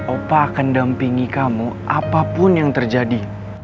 opa akan dampingi kamu apapun yang terjadi